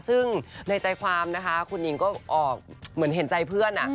ซึ่งในใจความนะคะคุณหญิงก็ออกเหมือนเห็นใจเพื่อน